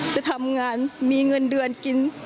จะทำงานมีเงินเดือนกิน